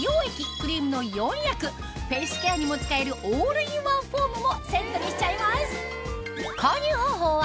クリームの４役フェイスケアにも使えるオールインワンフォームもセットにしちゃいます